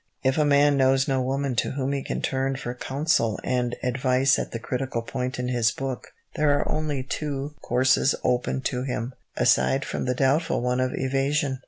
If a man knows no woman to whom he can turn for counsel and advice at the critical point in his book, there are only two courses open to him, aside from the doubtful one of evasion.